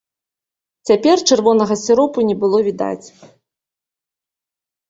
Цяпер чырвонага сіропу не было відаць.